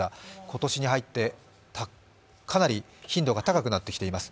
今年に入ってかなり頻度が高くなってきています。